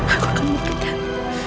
aku akan buktikan